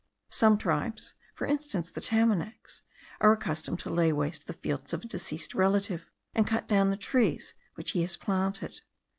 Some tribes, for instance the Tamanacs, are accustomed to lay waste the fields of a deceased relative, and cut down the trees which he has planted.